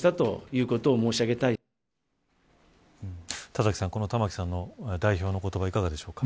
田崎さん、この玉木さんの代表の言葉、いかがでしょうか。